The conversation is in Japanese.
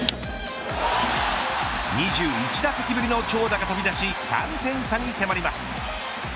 ２１打席ぶりの長打が飛び出し３点差に迫ります。